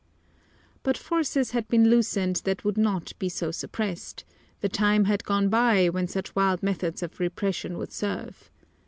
But forces had been loosed that would not be so suppressed, the time had gone by when such wild methods of repression would serve.